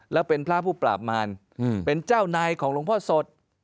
แล้วเป็นพระผู้ปราบมารเป็นเจ้านายของหลวงพ่อสด